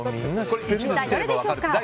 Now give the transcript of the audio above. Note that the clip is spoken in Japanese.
一体どれでしょうか？